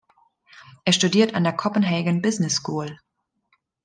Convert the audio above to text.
Er studiert an der Copenhagen Business School.